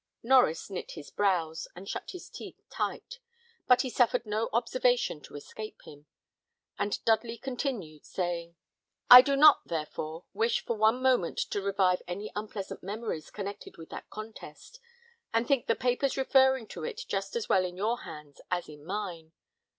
Norries knit his brows, and shut his teeth tight, but he suffered no observation to escape him; and Dudley continued, saying, "I do not, therefore, wish for one moment to revive any unpleasant memories connected with that contest, and think the papers referring to it just as well in your hands as in mine.